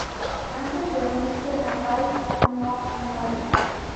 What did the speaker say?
Antes de unirse a Faith No More.